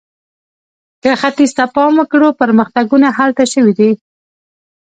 که ختیځ ته پام وکړو، پرمختګونه هلته شوي دي.